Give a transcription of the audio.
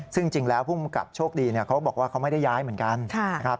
ซึ่งจริงแล้วภูมิกับโชคดีเขาบอกว่าเขาไม่ได้ย้ายเหมือนกันนะครับ